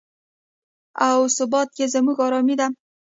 او ثبات یې زموږ ارامي ده.